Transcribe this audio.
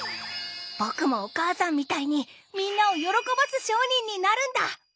僕もお母さんみたいにみんなを喜ばす商人になるんだ！